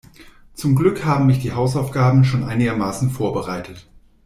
Zum Glück haben mich die Hausaufgaben schon einigermaßen vorbereitet.